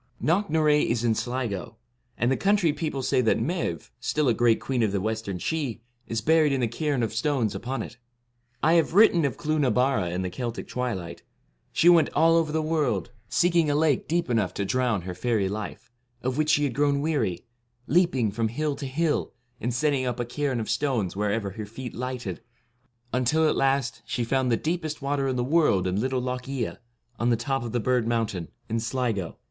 Knocknarea is in Sligo, and the country people say that Maeve, still a great queen of the western Sidhe, is buried in the cairn of stones upon it. I have written of Clooth na Bare in * The Celtic Twilight. ' She ' went all over the world, seeking a lake deep enough 69 to drown her faery life, of which she had grown weary, leaping from hill to hill, and setting up a cairn of stones wherever her feet lighted, until, at last, she found the deepest water in the world in little Lough la, on the top of the bird mountain, in Sligo.